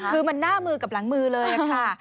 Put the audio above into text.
คือมันหน้ามือกับหลังมือเลยค่ะ